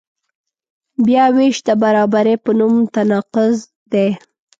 بیاوېش د برابرۍ په نوم تناقض دی.